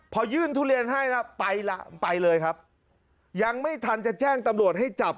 พอยื่นทุเรียนให้แล้วไปละไปเลยครับยังไม่ทันจะแจ้งตำรวจให้จับ